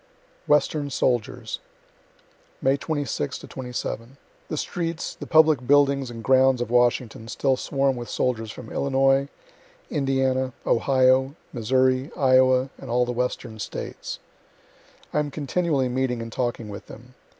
WESTERN SOLDIERS May 26 7. The streets, the public buildings and grounds of Washington, still swarm with soldiers from Illinois, Indiana, Ohio, Missouri, Iowa, and all the Western States. I am continually meeting and talking with them.